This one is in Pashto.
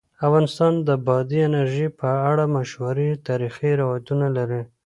افغانستان د بادي انرژي په اړه مشهور تاریخی روایتونه لري.